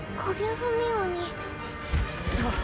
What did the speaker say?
そう。